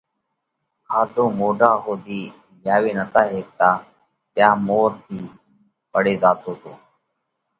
کاڌو مونڍا ۿُوڌِي لياوي نتا هيڪتا تيا مور پڙي زاتو تو۔